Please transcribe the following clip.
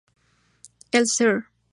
El sr.